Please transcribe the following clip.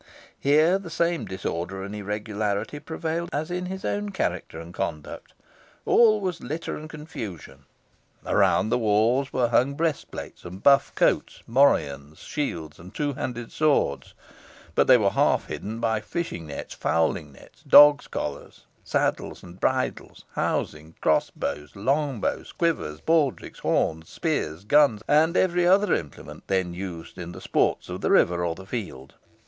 Here the same disorder and irregularity prevailed as in his own character and conduct. All was litter and confusion. Around the walls were hung breastplates and buff coats, morions, shields, and two handed swords; but they were half hidden by fishing nets, fowling nets, dogs' collars, saddles and bridles, housings, cross bows, long bows, quivers, baldricks, horns, spears, guns, and every other implement then used in the sports of the river or the field.